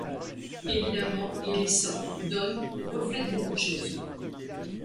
Évidemment, il y sent, donne, reflète beaucoup de choses.